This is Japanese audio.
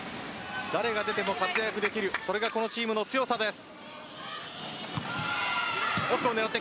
誰が来ても活躍できるそれがこのチームの強さです。